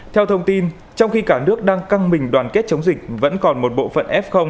theo thông tin trong khi cả nước đang căng mình đoàn kết chống dịch vẫn còn một bộ phận f